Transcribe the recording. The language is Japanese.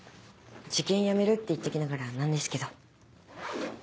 受験やめるって言っときながら何ですけど。